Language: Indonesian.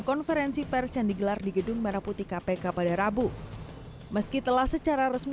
konferensi pers yang digelar di gedung merah putih kpk pada rabu meski telah secara resmi